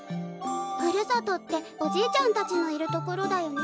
ふるさとっておじいちゃんたちのいる所だよね？